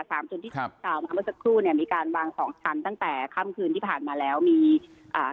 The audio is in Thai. สามจุดที่กล่าวมาเมื่อสักครู่เนี้ยมีการวางสองชั้นตั้งแต่ค่ำคืนที่ผ่านมาแล้วมีอ่า